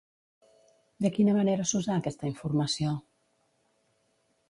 De quina manera s'usà aquesta informació?